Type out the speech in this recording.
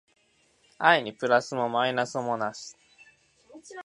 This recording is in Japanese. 愛にプラスもマイナスもなし